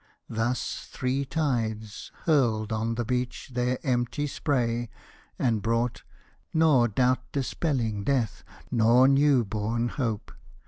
Thus three tides Hurled on the beach their empty spray, and brought Nor doubt dispelling death, nor new born hope.